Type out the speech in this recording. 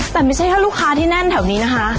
แต่ไม่ใช่แค่ลูกค้าที่แน่นแถวนี้นะคะ